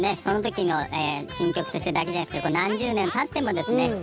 そのときの新曲としてだけではなくて何十年たってもですね